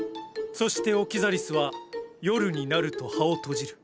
そしてオキザリスは夜になると葉を閉じる。